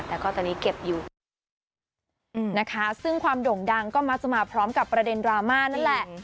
แต่ก็ตอนนี้เก็บอยู่นะคะซึ่งความโด่งดังก็มักจะมาพร้อมกับประเด็นดราม่านั่นแหละ